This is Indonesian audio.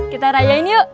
kita rayain yuk